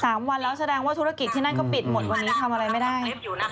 สามวันแล้วแสดงว่าธุรกิจที่นั่นก็ปิดหมดวันนี้ทำอะไรไม่ได้